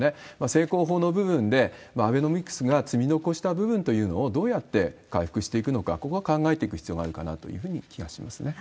正攻法の部分で、アベノミクスが積み残した部分というのをどうやって回復していくのか、ここは考えていく必要があるかなという気がしますね。